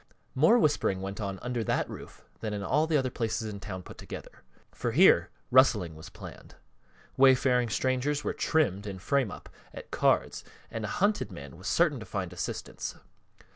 More whispering went on under that roof than in all the other places in town put together; for here rustling was planned, wayfaring strangers were "trimmed" in "frame up" at cards, and a hunted man was certain to find assistance.